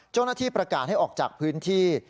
เจ้าหน้าที่ประกาศให้ออกจากพื้นที่